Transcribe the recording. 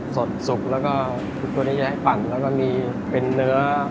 สดสุกแล้วก็ตัวนี้จะให้ปั่นแล้วก็มีเป็นเนื้อ